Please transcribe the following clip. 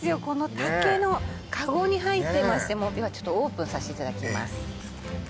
この竹の籠に入ってましてではちょっとオープンさせていただきます